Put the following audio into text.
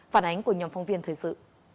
phản ánh của nhóm phong viên thời sự